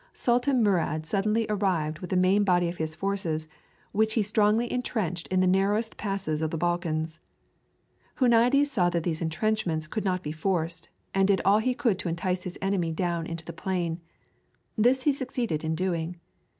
Sultan Murad suddenly arrived with the main body of his forces, which he strongly intrenched in the narrowest passes of the Balkans. Huniades saw that these intrenchments could not be forced, and did all he could to entice his enemy down into the plain. This he succeeded in doing.